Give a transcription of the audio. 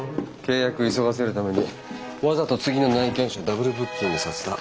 契約急がせるためにわざと次の内見者ダブルブッキングさせた。